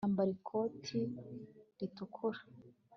Yambara ikoti ritukura